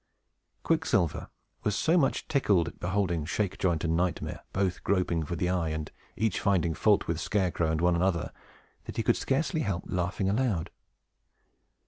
Quicksilver was so much tickled at beholding Shakejoint and Nightmare both groping for the eye, and each finding fault with Scarecrow and one another, that he could scarcely help laughing aloud.